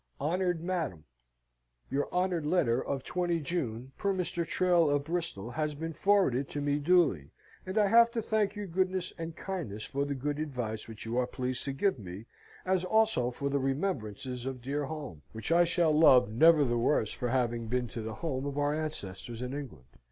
"HONOURED MADAM Your honoured letter of 20 June, per Mr. Trail of Bristol, has been forwarded to me duly, and I have to thank your goodness and kindness for the good advice which you are pleased to give me, as also for the remembrances of dear home, which I shall love never the worse for having been to the home of our ancestors in England.